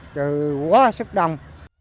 chứ quá sức đông